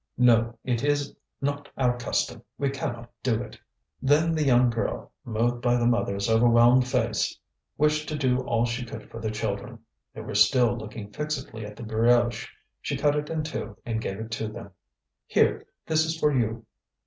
"No, it is not our custom. We cannot do it." Then the young girl, moved by the mother's overwhelmed face, wished to do all she could for the children. They were still looking fixedly at the brioche; she cut it in two and gave it to them. "Here! this is for you."